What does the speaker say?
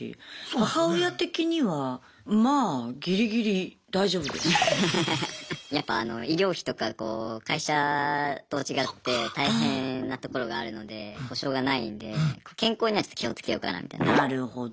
母親的にはまあやっぱ医療費とかこう会社と違って大変なところがあるので保障がないんで健康にはちょっと気をつけようかなみたいな。